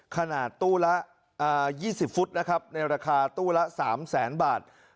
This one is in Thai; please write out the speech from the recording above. ขนาดตู้ละ๒๐ฟุตในราคาตู้ละ๓๐๐๐๐๐บาท